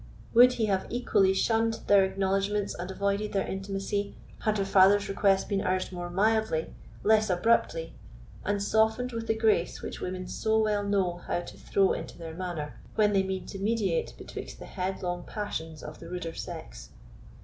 Would he have equally shunned their acknowledgments and avoided their intimacy, had her father's request been urged more mildly, less abruptly, and softened with the grace which women so well know how to throw into their manner, when they mean to mediate betwixt the headlong passions of the ruder sex?